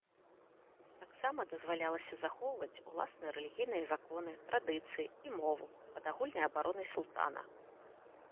Таксама дазвалялася захоўваць уласныя рэлігійныя законы, традыцыі і мову, пад агульнай абаронай султана.